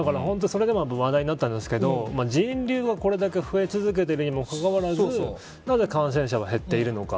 それでも話題になったんですけど人流がこれだけ増え続けてるにもからかかわらずなぜ、感染者が減っているのか。